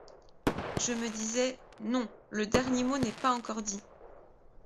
Je me disais : non ! le dernier mot n’est pas encore dit !